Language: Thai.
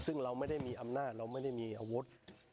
ซึ่งเราไม่ได้มีอำนาจเราไม่ได้มีอาวุธ